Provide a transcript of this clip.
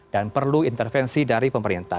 dan perlu intervensi dari pemerintah